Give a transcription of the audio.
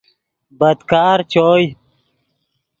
بدکار چوئے